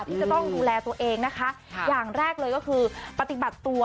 ที่จะต้องดูแลตัวเองนะคะอย่างแรกเลยก็คือปฏิบัติตัว